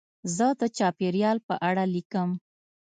زه د چاپېریال په اړه لیکم.